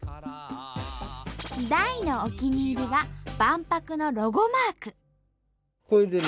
大のお気に入りは万博のロゴマーク。